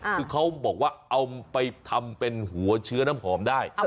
คือเขาบอกว่าเอาไปทำเป็นหัวเชื้อน้ำหอมได้